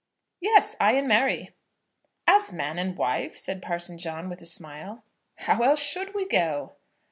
"Yes, I and Mary." "As man and wife?" said Parson John, with a smile. "How else should we go?"